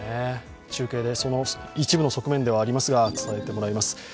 中継で、その一部の側面ではありますが、伝えてもらいます。